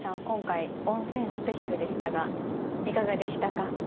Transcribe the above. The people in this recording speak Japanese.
今回「温泉スペシャル」でしたがいかがでしたか？